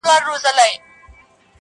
روح د توازن په دې حسن کې عفت دی